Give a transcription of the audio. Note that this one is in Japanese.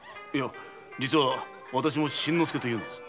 実はわたしも新之助というのです。